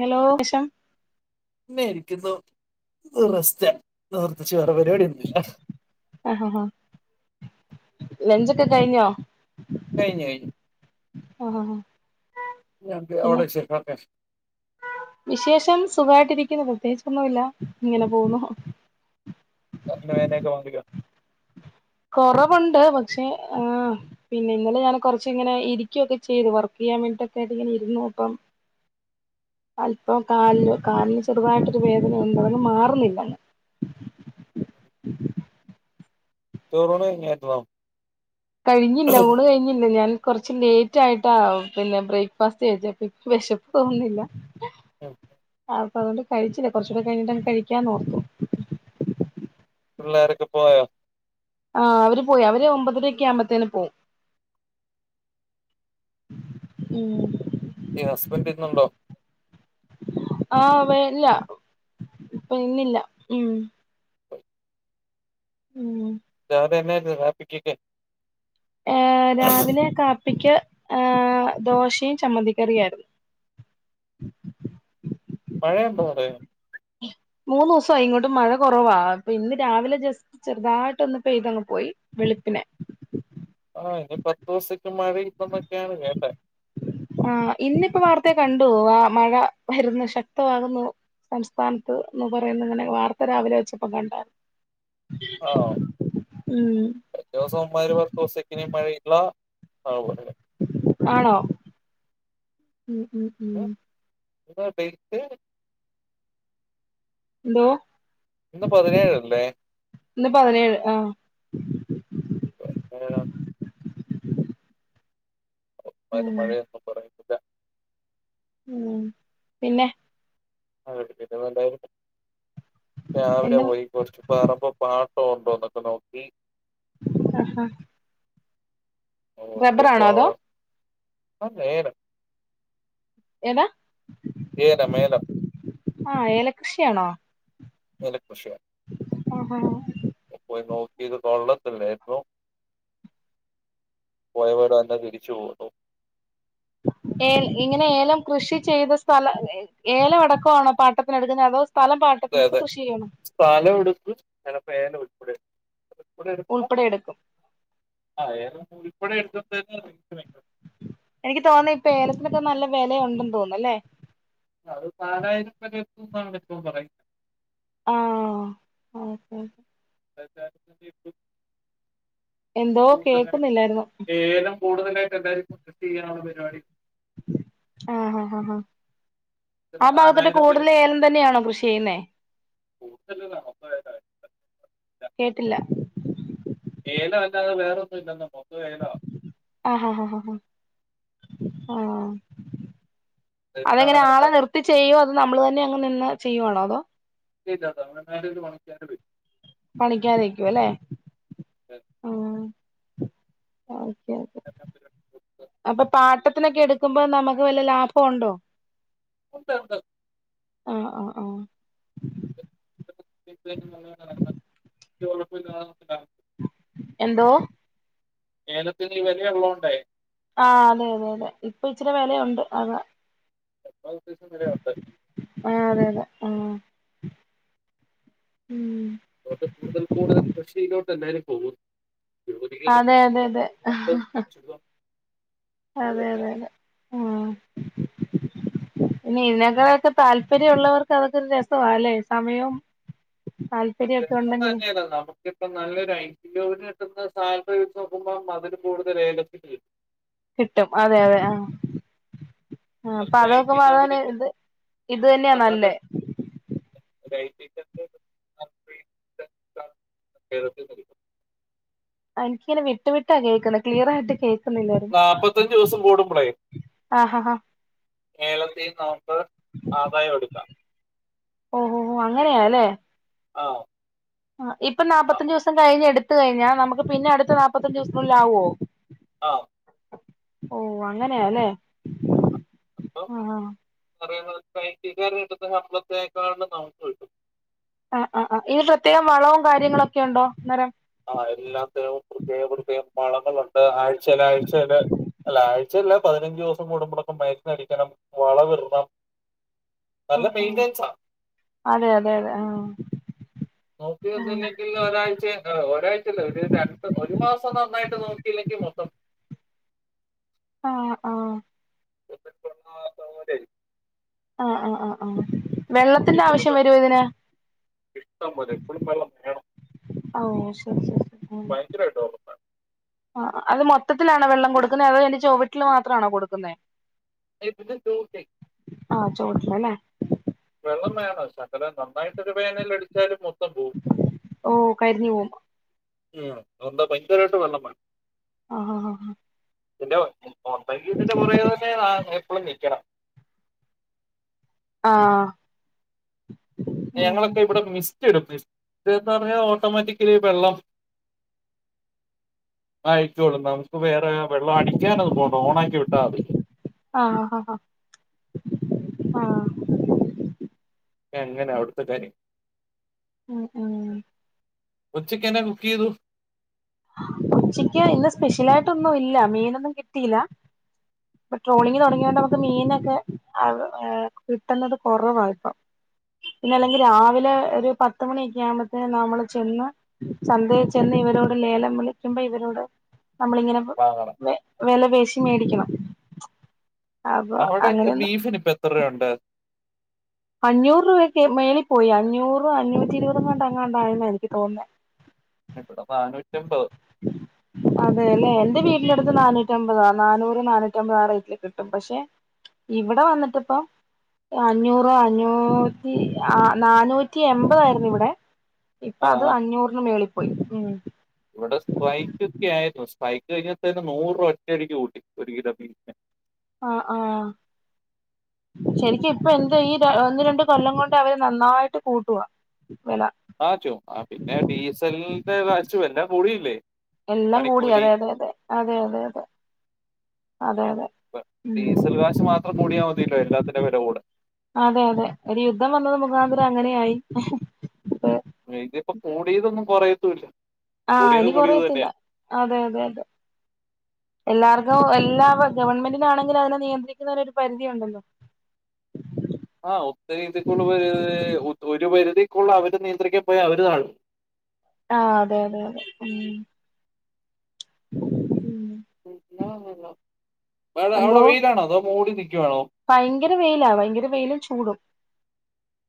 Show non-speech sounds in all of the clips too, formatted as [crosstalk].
Hello [unintelligible] വഷം. ഇങ്ങനെരിക്കുന്നു ഓഹ് റെസ്റ്റാണ് ഇന്ന് പ്രത്യേകിച്ച് വേറെ പരിപാട്യൊന്നുല്ല. ആഹ് ഹ ഹ ലഞ്ചൊക്കെ കഴിഞ്ഞോ? കഴിഞ്ഞ് കഴിഞ്ഞു ആഹ് ഹാ ഹാ [unintelligible] അവടെച്ചെക്ക് [unintelligible] വിശേഷം സുഖായിട്ടിരിക്കുന്നു പ്രത്യേകിച്ചൊന്നുല്ല ഇങ്ങനെ പോവുന്നു. [unintelligible] കൊറവ്ണ്ട് പക്ഷെ ആഹ് പിന്നെ ഇന്നലെ ഞാന് കൊർച്ച്ങ്ങനെ ഇരിക്ക്യൊക്കെ ചെയ്തു വർക്കെയ്യാൻ വേണ്ടിട്ടൊക്കായിട്ട് ങ്ങന ഇരുന്നു അപ്പം അല്പ്പം കാല്ൽ കാലിന് ചെറ്തായിട്ടൊരു വേദന ഉണ്ട് അതങ് മാറുന്നില്ല. ചോറൂണ് കൈഞ്ഞാർന്നോ? കഴിഞ്ഞില്ല ഊണ് കഴിഞ്ഞില്ല ഞാൻ. കുറച്ച് ലേറ്റ് ആയിട്ടാ പിന്നെ ബ്രേക്ക്ഫാസ്റ്റ് കഴിച്ചേപ്പനിക്ക് വെശപ്പ് തോന്നുന്നില്ല. [unintelligible] അപ്പൊ അതൊണ്ട് കഴിച്ചില്ല കുറച്ചൂടെ കഴിഞ്ഞിട്ടങ് കഴിക്കാന്നോർത്തു. പിള്ളേരൊക്കെ പോയോ? ആ അവര് പോയി അവര് ഒമ്പതരൊക്കെ ആകുമ്പോത്തേന് പോവും. ഉം. ഹസ്ബന്റ് ഇന്ന്ണ്ടോ? ആഹ് വെല്ല ഇപ്പ ഇന്നില്ല ഉം. ഉം. [unintelligible] ഏ രാവിലെ കാപ്പിക്ക് ഏ ദോശയും ചമ്മന്തിക്കറിയായിരുന്നു. മഴയുണ്ടോ അവിടെ? മൂന്നുസായി ഇങ്ങോട്ടും മഴ കൊറവാ ഇപ്പൊ ഇന്ന് രാവിലെ ജസ് ചെറുതായിട്ടൊന്ന് പെയ്തങ് പോയി വെളുപ്പിനെ. ആഹ് ഇനി പത്ത് ദിവസത്തേക്ക് മഴ ഇല്ലന്നൊക്കെണ് കേട്ടെ. ആ ഇന്നിപ്പോ വാർത്തെ കണ്ടു ആ മഴ വരുന്നു ശക്തമാകുന്നു. സംസ്ഥാനത്ത് എന്ന് പറയുന്ന ഇങ്ങനെ വാർത്ത രാവിലെ വെച്ചപ്പ കണ്ടായിരുന്നു. ആണോ. ഉം ദിവസോം [unintelligible] പത്തീസത്തെക്കിനി മഴയില്ല [unintelligible] ആണോ ഉ, ഉ, ഉ. ഇന്ത ഡേറ്റ്. എന്തോ? ഇന്ന് പതിനേഴല്ലേ. ഇന്ന് പതിനേഴ് ആ. [unintelligible] ഉം [unintelligible] ഉം പിന്നെ. ആ കേട്ട് പിന്നെപ്പന്തായാലും രാവിലെ ഇന്ന് പോയി കുറച്ച്. പറമ്പ് പാട്ട ഒണ്ടോന്നക്ക നോക്കി. ആഹാ. ഓക്കപ്പോ. അതോ അത് നേരാ. ഏതാ ഏലം ഏലം ആ ഏലകൃഷിയാണോ? ഏലകൃഷിയാ. ആഹാ. ഇപ്പ പോയി നോക്കിയത് കൊള്ളത്തില്ലട്ടൊ. പോയവരെല്ലാം തിരിച്ച് പോന്നു. ഏ ഇങ്ങനെ ഏലം കൃഷി ചെയ്ത സ്ഥലം ഏലം അടക്കം ആണോ പാട്ടത്തിനെടുക്കുന്നത്? അതോ സ് സ്ഥലം അതെ പാട്ടത്തിനെടുത്ത് അതെ കൃഷി ചെയ്യാണോ? സ്ഥലം എടുത്ത്. ഞങ്ങപ്പ ഏലം ഉൾപ്പെടെ എടുത്ത്. ഉൾപ്പെടെ എടുക്കും. ആഹ് ഏലം ഉൾപ്പെടെ എടുത്തപ്പത്തേക്കു [unintelligible] എനിക്ക് തോന്നി ഇപ്പ ഏലത്തിനെക്കെ നല്ല വെലയൊണ്ടെന്ന് തോന്നന്നല്ലേ. അത് നാലായിരം വരെ എത്തിന്നാണ് ഇപ്പം പറയുന്നേ. ആഹ് ഓക്കെ. [unintelligible] എന്തോ കേക്കുന്നില്ലായിരുന്നു ഏലം കൂടുതലായിട്ട് എന്തായിരിക്കും ടെസ്റ്റ് ചെയ്യാനൊള്ള പരിപാടി? ആഹ് ആഹ് ആഹ് ആഹ് ആ ഭാഗത്തോട്ട് നാലായിരം വരെ കൂടുതൽ ഏലം തന്നെയാണോ കൃഷി ചെയ്യുന്നേ? കൂടുതൽ കേട്ടില്ല ഏലം അല്ലാതെ വേറെ ഒന്നും ഇല്ലെന്ന് മൊത്തം ഏലവാ ആഹ് [unintelligible] ആഹ് അത് എങ്ങനെ ഏലമാണ് ആളെ എല്ലാം നിർത്തി ചെയ്യോ അതൊ നമ്മള് തന്നെ അങ്ങ് നിന്ന് ചെയ്യുവാണോ അതോ കിട്ടിയില്ല തമിഴ്നാട്ട്കാരെ ഒരു വാങ്ങിക്കാന ഇത് പണിക്കാരെ നിക്കൂ അല്ലേ ഉം ഓക്കെ അപ്പൊ പാട്ടത്തിനൊക്കെ എടുക്കുമ്പോ നമുക്ക് വെല്ല ലാഭോ ഉണ്ടോ? ഉണ്ട് ഉണ്ട് ആഹ് ആഹ് ആഹ് [unintelligible] ഒരു കൊഴപ്പല്ലാതെ നടാം. എന്തോ ഏലത്തിന് ഈ വെല ഉള്ളോണ്ടേ ആഹ് അതെ അതെ അതെ ഇപ്പ ഇച്ചെരെ വെലയുണ്ട് അതാ. [unintelligible] ആഹ് അതെ അതെ ആഹ് ഉം നേരത്തെ കൂടുതൽ കൂടുതൽ കൃഷിയിലോട്ട് എല്ലാരും പോകുന്നു. അതെ അതെ അതെ. ചുരുക്കം ഇത് അതെ തന്നെയാ. അതെ അതെ ആഹ് പിന്നെ ഇതിനെക്കാളെക്കെ താല്പര്യ ഉള്ളവർക്ക് അതൊക്കെ ഒരു രസവാ അല്ലേ സമയം [unintelligible] ദിവസം തന്നെയല്ല നമുക്ക് ഇപ്പം നല്ല ഒരു ഐഡിയോട് വെക്കുന്ന സ്ഥലം വെച്ച് നോക്കുമ്പോ അതില് കൂടുതല് ഏലത്തിലേ. കിട്ടും അതെ അതെ ആഹ് ആഹ് അപ്പ ചിലപ്പോൾ ഐ അതൊക്കെ ടി പാകാന് കമ്പനിക്ക് ഇത് ഇത് തന്നെയാ നന്നായിട്ട് നല്ലേ. ഒരു ഐ റ്റി സെന്റെർ [unintelligible] എനിക്കിങ്ങനെ വിട്ടു വിട്ടാ കേക്കണെ. ക്ലിയറായിട്ട് കേ നാപ്പത്തഞ്ചു ദിവസം കൂടുമ്പളേ ആഹ് ആഹ് ഏലത്തീന്ന് നമുക്ക് ആദായം എടുക്കാം ഓഹ് ഓഹ് ഹോ അങ്ങനെയാല്ലേ. ആഹ് ആഹ് ഇപ്പ നാപ്പത്തഞ്ച് ദിവസം കഴിഞ്ഞ് എടുത്ത് കഴിഞ്ഞാ നമ്മക്ക് പിന്നെ അടുത്ത നാപ്പത്തഞ്ച് ദിവസനുള്ളിൽ ആവോ ആഹ് ഓഹ് അങ്ങനെയാല്ലേ ആഹ് ആഹ് ആഹ് പറയുന്നത് ഇപ്പ ഐ റ്റിക്കാര് കൊടുത്ത ശമ്പളത്തേക്കാളിലും നമുക്ക് കിട്ടും ആഹ് ആഹ് ആഹ്. ഇതിന് പ്രത്യേകം വളവും കാര്യങ്ങളൊക്കെ ഉണ്ടോ അന്നേരം ആഹ് എല്ലാത്തിനും പ്രത്യേക പ്രത്യേക വളങ്ങളുണ്ട് ആഴ്ചേല് ആഴ്ചേല്. അല്ല. ആഴ്ചയല്ല പതിനഞ്ച് ദിവസം കൂടുമ്പളൊക്കെ മരുന്നടിക്കണം. വളം ഇടണം. നല്ല ആഹ് ആഹ് മെയിൻന്റയ്സാ അതെ അതെ അതെ ആഹ് നോക്കി നിന്നില്ലെങ്കിൽ ക്കില്ല ഒരാഴ്ച ഒരാഴ്ച അല്ല ഒരു രണ്ട് ഒരു മാസം നന്നായിട്ട് നോക്കിയില്ലെങ്കിൽ മൊത്തം ആഹ ആഹ [inaudible] ആഹആഹ ആഹ ആഹ വെള്ളത്തിന്റെ ആവശ്യം വരുമോ ഇതിന്. ഇഷ്ട്ടം പോലെ എപ്പളും വെള്ളം വേണം. അഹോ ശെരി ശെരി. ഭയങ്കരമായിട്ട് ഉറപ്. ആഹ അത് മൊത്തത്തിലാണോ വെള്ളം കൊടുക്കുന്നേ അതോ അതിന്റെ ചൊവട്ടില് മാത്രണോ കൊടുക്കുന്നേ. അതിൻ്റെ ചോട്ടിൽ ആ ചൊവ്വട്ടില് ലെ? വെള്ളം വേണം ശകലം നന്നായിട്ട് ഒരു വേനല് എടുത്താല് മൊത്തം പോവും. ഓ കരിഞ്ഞു പോവും. ഉം അന്താ ഭയങ്കരായിട്ട് വെള്ള വേണം [unintelligible] അ ഹ ഹാ ഹ. ഇന്റെ [unintelligible] പുറകെ തന്നെ എപ്പളും ന്നിക്കണം. ആഹ. ഞങ്ങളൊക്കെ ഇവിടെ മിസ്റ്റ് ഇടും മിസ്റ്റ് ന്നർഞാ ഓട്ടോമാറ്റിക് ലി വെള്ളം. ആയിക്കോളൂ നമുക്ക് വേറെ വെള്ളം അടിക്കാനൊന്നും പോണ്ട ഓണാക്കി വിട്ടാമതി. ആ ഹ ഹ. എങ്ങനെ അവിട്ത്തെ കാര്യം. ഉം ഉം. ഉച്ചക്കനാ കുക്കിയ്തു. ചിക്കൻ ഇന്ന് സ്പെഷ്യലായിട്ടൊന്നു ഇല്ല മീനൊന്നും കിട്ടിയില. ഇപ്പൊ ട്രോളിഗ് തുടങ്ങിയണ്ട് നമുക്ക് മീനൊക്കെ കിട്ടുന്നത് കൊറവാഇപ്പം. പിന്നെ അല്ലെങ്കി രാവിലെ ഒരു പത് പത്ത്മണിക്യ ആവ്മ്പേതിന് നമ്മള് ചെന്ന് ചന്തയിൽ ചെന്ന് ഇവരോട്. ലേലം വിളിക്കുബോ ഇവരോട് നമ്മളി ഇങ്ങനെ. വാങ്ങണം. വെല പേശി മേടിക്കണം. അപ്പൊ അവിടെകെ അങ്ങനെയൊന്ന് ബീഫ്‌ന് ഇപ്പ എത്രരൂവണ്ട്. അഞ്ഞൂറ് രൂവക് മേളി പോയി അഞ്ഞൂറ് അഞ്ഞൂറ്റി ഇരുവത് ങ്ങണ്ട് അങ്ങാണ്ടായന്ന എനിക്ക് തോന്നുന്നെ. ഇവിടെ നാനൂറ്റമ്പത്. [inaudible] അതെ ല്ലെ എന്റെ വീടി ന്നടുത്ത് നാനൂറ്റമ്പതാ നാനൂറ് നാനൂറ്റമ്പത ആ റേറ്റില് കിട്ടും പക്ഷെ. ഇവിടെ വന്നിട്ടിപ്പൊ അഞ്ഞൂ ഇപ്പ അഞ്ഞൂറ്റി ആ നാനൂറ്റി എമ്പത ആയിരുന്നു ഇവിടെ. ഇപ്പൊ ആ അത് അഞ്ഞൂറിന് മേളിപ്പോയി ഉം. ഇവിടെ സ്പ്രൈക്ക് ഒക്കെ ആയിരുന്നു സ്പ്രൈക്ക് കഴിഞ്ഞ തന്നെ നൂറ്പ ഒറ്റടിക്ക് കൂട്ടി ഒരു കിലോ ബീഫിന്. ആഹ ആഹ. ശരിക്കും ഇപ്പൊ എന്താ ഈ ഒന്ന് രണ്ട് കൊല്ലം കൊണ്ട് അവര് നന്നായിട്ട് കൂട്ടുവാ. വെല. ആചോ ആ പിന്നെ ഡീസലിന്റെ കാഷും എല്ലാ കൂടിയില്ലേ? എല്ലാ കൂടി പണിക്കൂലി അതെ അതെ അതെ അതെ അതെ അതെ അതെ അതെ ഉം. [unintelligible] ത്ര കൂടിയാമതിയല്ലോ എല്ലാത്തിന്റെ വെല കൂടാൻ. അതെ അതെ ഒരു യുദ്ധം വന്നത് മുഖാന്തരം അങ്ങനെ യായി. ഏയ്‌ത്യപ്പം കൂടിയതൊന്നും കുറയത്തൂല്ല. ആഹ് ഇനി കൊറയത്തില്ല അതെ അതെ അതെ. എല്ലാർക്കും എല്ലാ വ ഗവൺമെന്റിനാണെങ്കിലും അതിനെ നിയന്ത്രികണേ ഒരു പരിധിയു ഉണ്ടല്ലോ? ആഹ് ഒത്ത രീതിക്കുള്ള ഒരു പരിധിക്കുള്ള അവര് നിയന്ത്രിക്കാൻ പോയാ അവര്താണ് ആ അതെ അതെ അതെ ഉം ഉം എന്തോ അവിടെ വെയിലാണോ അതോ മോടി നിക്കുവാണോ ഭയങ്കര വെയിലാ ഭയങ്കര വെയിലും ചൂടും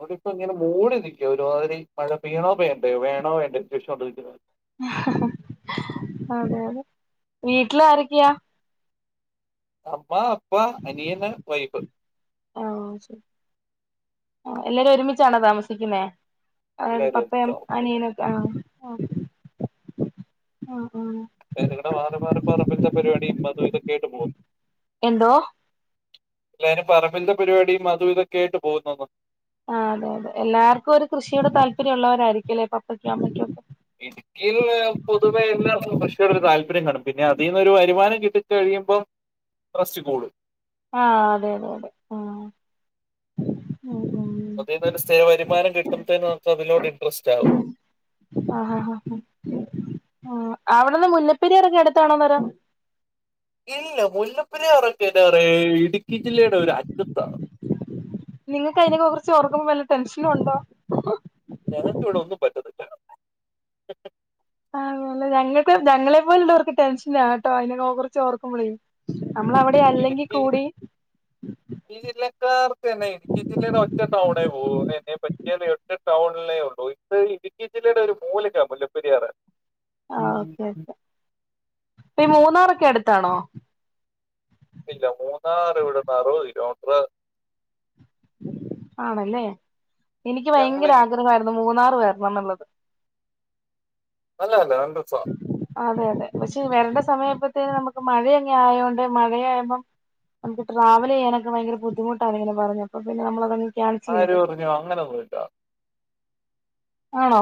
വടിപ്പോ ഇങ്ങനെ മൂടി നിക്കോ ഒരുമാതിരി മഴ പെയ്യണോ വേണ്ടോ വേണോ വേണ്ടോണ്ട് [unintelligible] അതെ അതെ വീട്ടില് ആരൊക്കെയാ അമ്മ അപ്പ അനിയന്ന് വൈഫ് ആഹ് ശരി ആഹ് എല്ലാരും ഒരുമിച്ചാണോ താമസിക്കുന്നേ അത് എല്ലാരും ഒന്നിച്ച് പപ്പയും താമസിക്കുന്നത് അനിയനൊക്ക ആഹ് ആഹ് ആഹ് [unintelligible] പരിപാടിയും അതും ഇതൊക്കായിട്ട് പോഉന്നു എന്തോ ല്ലാരും പറമ്പില്തെ പരിപാടിയും അതും ഇതൊക്കെയായിട്ട് പോകുന്നന്ന് ആഹ് അത അതെ എല്ലാർക്കും ഒരു കൃഷിയോട് താല്പര്യമുള്ളവരായിരിക്കല്ലേ പ്പപ്പയ്ക്ക അമ്മയ്ക്കൊക്കെ ഇടുക്കിയിൽള്ളെ പൊതുവെ എല്ലർക്കും കൃഷിയോടൊരു താല്പര്യം കാണും പിന്നെ അതിന്ന് ഒരു വരുമാനം കിട്ടി കഴിയുമ്പം റസ്റ്റ് കൂടും ആഹ് അതെ അതെ അതെ ഉം ഉം ഉം അതീന്നൊരു സ്ഥിര വരുമാം കിട്ടുമ്പഴേ നമുക്ക്തിനോട് ഇൻടറസ്റ്റ് ആകും ആഹ് ആഹ് അവിടെന്ന് മുല്ലപ്പരിയാറൊക്കെ എടുത്താണോ പെരാ ഇല്ല മുല്ലപ്പരിയാറൊക്കെ എന്നാ പറയ ഇടുക്കി ജില്ലയുടെ ഒരു അറ്റത്താാണ് നിങ്ങൾക്ക് അതിനക്കെ കുറിച്ച് ഓർക്കുമ്പോ നല്ല ടെൻഷനും ഉണ്ടോ ഞങ്ങക് ഇവിടെ ഒന്നും പറ്റത് ആഹ് ല്ല ഞങ്ങക്ക് ഞങ്ങളെ പോലള്ളവർക്ക് ടെൻഷനാ കേട്ടോ അതിന ഓ കുറിച്ച് ഓർക്കുമ്പളേ അമ്മള അവിടെ അല്ലെങ്കിൽ ഇടുക്കി കൂടി ഈ ജില്ലക്കാർത്ത്ന്നെ ഇട്ക്കി ജില്ലയുടെ ഒറ്റ ടൗണ പോവൂ [unintelligible] പറ്റേ ഒറ്റ ടൗണിലെ [unintelligible] ഇടുക്കി ജില്ലയുടെ ഒരു മൂലക്കാ മുല്ലപ്പെരിയാറെ ആഹ് ഓക്കെ ഓക്കെ ഇപ്പ ഈ മൂന്നാറൊക്കെ അടുത്താണോ ഇല്ല മൂന്നാറ് ഇവിടുന്നാറഉപത് കിലോമീറ്റർ ആണല്ലേ എനിക്ക് ഞങ്ങള് ഭയങ്കര ഈ ആഗ്രഹയിരുന്നു മൂന്നാറ് വരണംന്നുള്ളത് അല്ല അല്ലസ അതെ അതെ പക്ഷേ വരണ്ട സമയപ്പത്തേും നമുക്ക് മഴ എങ്ങനെ ആയത്ണ്ട് മഴയാമ്പം നമുക്ക്ട്രാവലെയ്യാനൊക്ക ഭയങ്കര ബുദ്ധിുട്ടാണ്ങ്ങനെ പറഞ്ഞപ്പൊ പിന്ന നമ്മളതങ് ആരൂ പറഞ്ഞു അങ്ങനെ ഒന്നുംല്ല ആണോ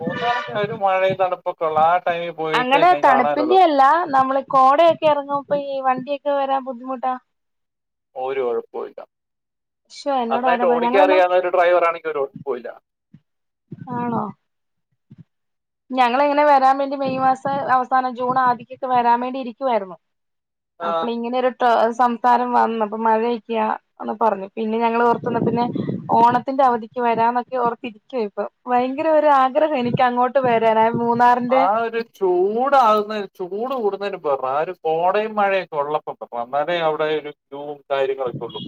മുന്നാറൊക്ക ഒരു മഴ തണുപ്പം ഒക്കള്ളാ ടൈമ് പോ അങ്ങനെ തണുപ്പിന്റെ അല്ല നമ്മള് കോടയൊക്കെ ഇറങ്ങുമ്പ ഈ വണ്ടിയൊക്കെ വരാ ബുദ്ധിമുട്ടാ ഒരു ഒഴപ്പല്ല ശോ എന്നോട് ആരാ നന്നായിട്ട് പറഞ്ഞെ ഞങ്ങളെന്നും ഓടിക്കാറിയാവുന്ന ഒരു ഡ്രൈവർ ആണെങ്കിൽ ഒരുഴപ്പല്ല ആണോ ഞങ്ങളിങ്ങനെ വരാൻ വേണ്ടി മെയ് മാസ അവസാനം ജൂൺ ആദ്യൊക്കെ വരാൻ വേണ്ടി ഇരിക്കുവായിരുന്നു ആഹ് അപ്പള ഇങ്ങനെരു സംസാരം വന്നു അപ്പൊ മഴയൊക്കെയ ഒന്ന് പറഞ്ഞു പിന്നെ ഞങ്ങള് ഓർത്തുന്ന പിന്നെ ഓണത്തിന്റെ അവധിക്ക് വരാന്നൊക്കെ ഓർത്തിരിക്കുവാരുന്നു ഭയങ്കര ഒരു ആഗ്രഹവാ എനിക്ക് അങ്ങോട്ട് വരാനായി മൂതാപ്പാ ആ ഒരു ചൂടാകുന്നതി ചൂട് കൂടുന്നതിന് മുൻപ് വരണം ആ ഒരു കോടയും മഴയൊക്കെ ഉള്ളപ്പം വരണം എന്നാലേ അവിടെ ഒരു ജോബും കാര്യങ്ങളൊക്കെ ഉള്ളൂ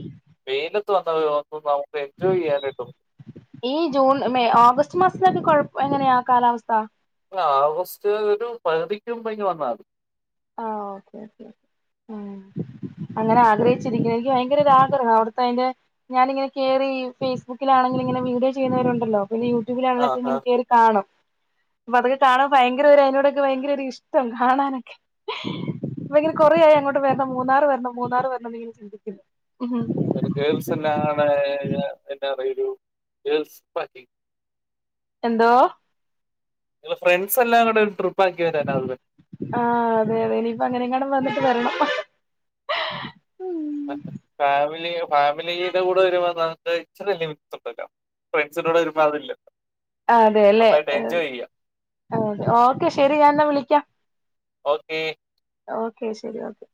വെയിലത്തു വന്നന്ന് നമുക്ക് എൻജോയ് ചെയ്യാനായിട്ടും ഈ ജൂൺ മെയ ഓഗസ്റ്റ് മാസത്തിലൊക്കെ കുഴപ്പം എങ്ങനെയാ കാലാവസ്ഥ ആഓഗസ്റ്റ് ഒരു പകുതിക്ക് മുമ്പ് ഇങ്ങു വന്നാൽ മതി ആ ഓക്കെ ഓക്കേ ഉം അങ്ങനെ ആഗ്രഹിച്ചിരിക്കുവാ എനിക്ക് ഭയങ്കര ഒരു ആഗ്രഹം അവിടുത്തെ അതിന്റെ ഞാനിങ്ങനെ കേറി ഫേസ്ബുക്കിലാണെങ്കിലിങ്ങനെ വീഡിയോ ചെയുന്നവരുണ്ടല്ലോ പിന്നെ ആഹ് യൂട്യൂബിലാണങ്കിലൊക്കെ ഇങ്ങനെ ആഹ് കേറി കാണും അപ്പൊ അതൊക്കെ കാണാൻ ഭയങ്കര ഒരു അതിനോടൊക്കെ ഭയങ്കര ഒരിഷ്ടം കാണാനൊക്കെ ഭയങ്കര കൊറേയായി അങ്ങോട്ട് വരണം മൂന്നാറ് വരണം മൂന്നാറ് വരണം ഇങ്ങനെ ചിന്തിക്കുന്നു ഗേൾസ് എല്ലാംകൂടെ എന്താ പറ ഒരു ഗേൾസ് പറ്റി എന്തോ നി ങ്ങൾ ഫ്രണ്ട്സ് എല്ലാം കൂടെ ഒരു ട്രിപ്പക്കിവരാനോ [unintelligible] ആ അതെ അതെ ഇനിയിപ്പ അങ്ങനെയെങ്ങാനം വന്നിട്ട് വരണം ഫാമിലി ഫാമിലിയുടെ കൂടെ വരുമ്പോ ന ഇച്ചല്ല ഉണ്ടല്ലോ ഫ്രണ്ട്സിന്റെ കൂടെ വരുമ്പോ അതില്ലല്ലോ ആ അതെ അല്ലേ ഓക്കെ ശെരി ഞാൻ എന്നാ വിളിക്കാം ഓക്കേ ഓക്കെ ശരി ഓക്കെ